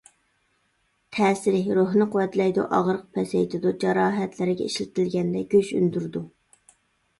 تەسىرى: روھنى قۇۋۋەتلەيدۇ، ئاغرىق پەسەيتىدۇ، جاراھەتلەرگە ئىشلىتىلگەندە گۆش ئۈندۈرىدۇ.